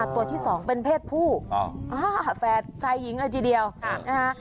ที่สองเป็นเพศผู้อ้าวแฟดชายหญิงอาจดีเดียวฮะนะฮะ